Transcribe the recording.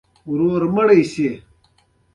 د محبت ږغونه تل خوږ وي.